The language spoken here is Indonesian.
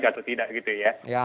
atau tidak gitu ya